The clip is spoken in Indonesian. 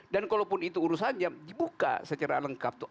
dan kalaupun itu urusannya dibuka secara lengkap tuh